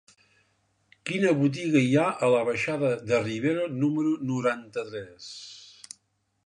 Quina botiga hi ha a la baixada de Rivero número noranta-tres?